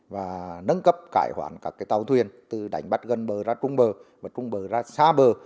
và nâng cấp cải hoán các tàu thuyền từ đánh bắt gần bờ ra trung bờ và trung bờ ra xa bờ